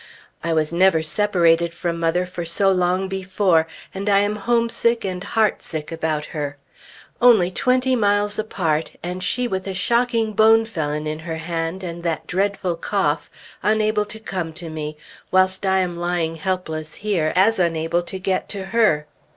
I was never separated from mother for so long before; and I am homesick, and heartsick about her. Only twenty miles apart, and she with a shocking bone felon in her hand and that dreadful cough, unable to come to me, whilst I am lying helpless here, as unable to get to her.